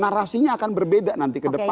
narasinya akan berbeda nanti ke depan